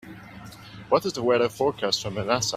What is the weather forecast for Manassa?